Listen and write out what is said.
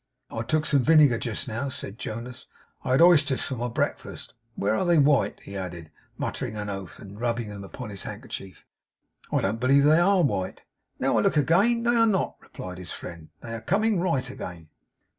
'I took some vinegar just now,' said Jonas. 'I had oysters for my breakfast. Where are they white?' he added, muttering an oath, and rubbing them upon his handkerchief. 'I don't believe they ARE white.' 'Now I look again, they are not,' replied his friend. 'They are coming right again.